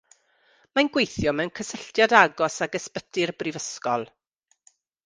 Mae'n gweithio mewn cysylltiad agos ag ysbyty'r brifysgol.